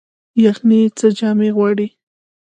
یخني څه جامې غواړي؟